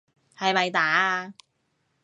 係咪打啊？